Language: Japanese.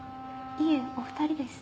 いえお２人です。